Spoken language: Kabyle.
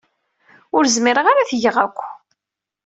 Ur zmireɣ ara ad t-geɣ akk.